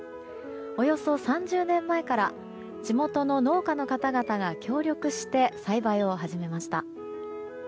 およそ３０年前から地元の農家の方々が協力して栽培を始めました。